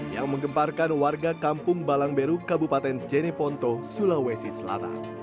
yang menggemparkan warga kampung balangberu kabupaten jeneponto sulawesi selatan